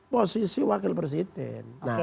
posisi wakil presiden